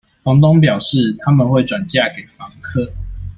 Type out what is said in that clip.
房東表示，他們會轉嫁給房客